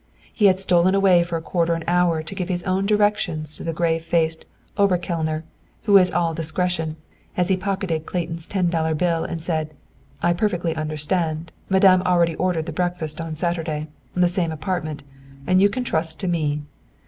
He had stolen away for a quarter of an hour to give his own directions to the grave faced "Oberkellner," who was all discretion, as he pocketed Clayton's ten dollar bill and said, "I perfectly understand. Madame already ordered the breakfast on Saturday. The same apartment. And you can trust to me."